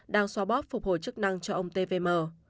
đang xóa bóp phục hồi chức năng cho ông tvm